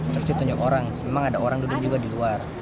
terus ditunjuk orang memang ada orang duduk juga di luar